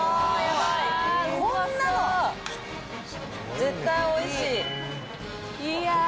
絶対おいしい！